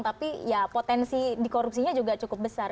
tapi ya potensi di korupsinya juga cukup besar